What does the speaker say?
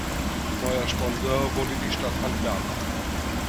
Neuer Sponsor wurde die Stadt Antwerpen.